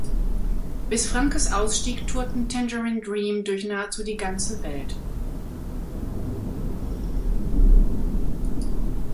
Bis Frankes Ausstieg tourten Tangerine Dream durch nahezu die ganze Welt.